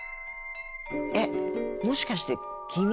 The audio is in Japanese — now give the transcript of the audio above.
えっもしかして君？